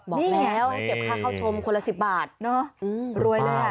บอกแล้วเก็บค่าเข้าชมคนละสิบบาทเนอะอืมรวยเลยอ่ะ